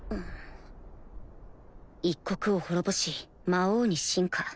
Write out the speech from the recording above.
一国を滅ぼし魔王に進化